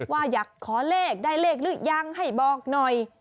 ว่าอยากขอเลขได้เลขหรือยังให้บอกหน่อย